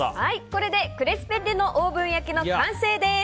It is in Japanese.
これでクレスペッレのオーブン焼きの完成です。